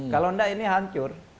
kalau tidak ini hancur